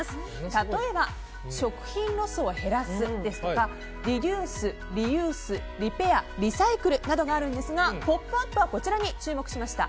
例えば、食品ロスを減らすですとかリデュース、リユース、リペアリサイクルなどがあるんですが「ポップＵＰ！」はこちらに注目しました。